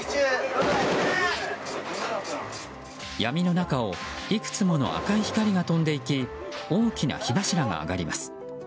闇の中をいくつもの赤い光が飛んでいき大きな火柱が上がります。